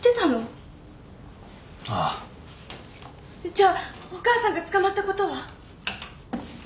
じゃあお母さんが捕まったことは？